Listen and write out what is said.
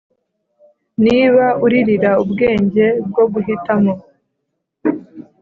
niba uririra ubwenge bwo guhitamo,